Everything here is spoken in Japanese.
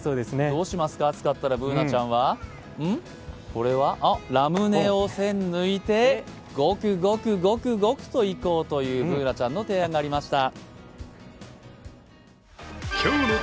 どうしますか、暑かったらＢｏｏｎａちゃんは、あ、ラムネを栓抜いて、ゴクゴクいこうというＢｏｏｎａちゃんの提案がありました。